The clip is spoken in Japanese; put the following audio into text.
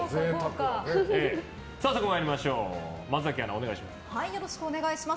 早速参りましょう松崎アナ、お願いします。